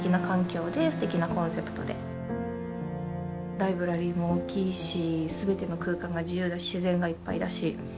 ライブラリーも大きいし全ての空間が自由だし自然がいっぱいだし。